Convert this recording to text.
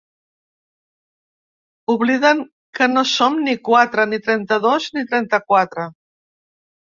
Obliden que no som ni quatre, ni trenta-dos, ni trenta-quatre.